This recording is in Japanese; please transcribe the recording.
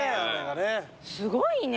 すごいね。